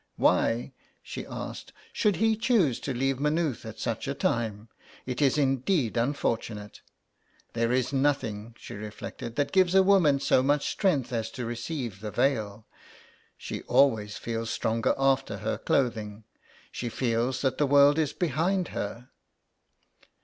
" Why," she asked, "should he choose to leave May nooth at such a time? It is indeed unfortunate. There is nothing," she reflected, " that gives a woman so much strength as to receive the veil. She always feels stronger after her clothing. She feels that the world is behind her."